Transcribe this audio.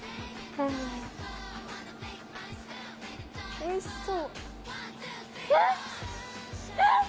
おいしそう！